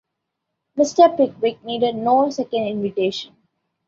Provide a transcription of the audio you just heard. Mr. Pickwick needed no second invitation.